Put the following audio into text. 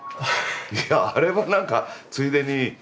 いやあれは何かついでに。